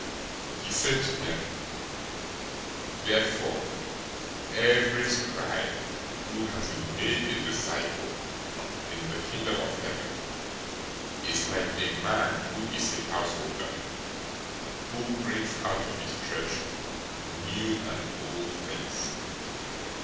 013:052 He said to them, "Therefore, every scribe who has been made a disciple in the Kingdom of Heaven is like a man who is a householder, who brings out of his treasure new and old things."